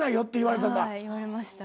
はい言われましたね。